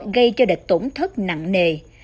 gây cho địch tổn thất nặng nề